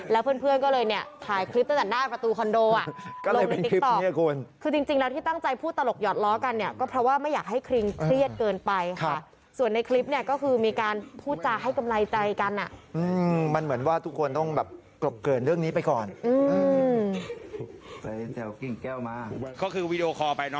แล้วเพื่อนก็เลยเนี่ยถ่ายคลิปตั้งแต่หน้ากระตูคอนโดอะ